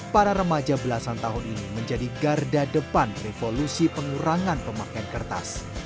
para remaja belasan tahun ini menjadi garda depan revolusi pengurangan pemakaian kertas